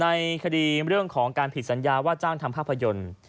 ในคดีเรื่องของการผิดสัญญาว่าจ้างทำภาพยนตร์